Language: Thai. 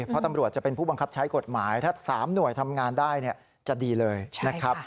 เพราะตำรวจจะเป็นผู้บังคับใช้กฎหมายถ้า๓หน่วยทำงานได้จะดีเลยนะครับ